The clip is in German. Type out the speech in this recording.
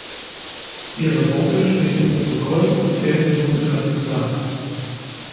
Ihre Worte stehen im Protokoll und gelten somit als gesagt.